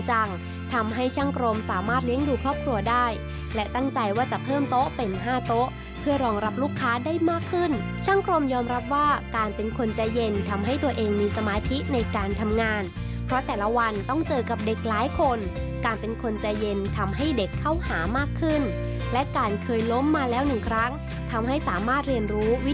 จังทำให้ช่างกรมสามารถเลี้ยงดูครอบครัวได้และตั้งใจว่าจะเพิ่มโต๊ะเป็นห้าโต๊ะเพื่อรองรับลูกค้าได้มากขึ้นช่างกรมยอมรับว่าการเป็นคนใจเย็นทำให้ตัวเองมีสมาธิในการทำงานเพราะแต่ละวันต้องเจอกับเด็กหลายคนการเป็นคนใจเย็นทำให้เด็กเข้าหามากขึ้นและการเคยล้มมาแล้วหนึ่งครั้งทำให้สามารถเรียนรู้วิ